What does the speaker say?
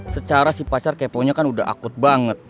secara si pasar kepo nya kan udah akut banget